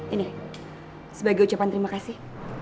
ini sebagai ucapan terima kasih